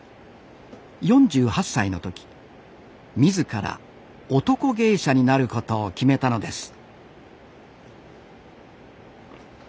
４８歳の時自ら男芸者になることを決めたのです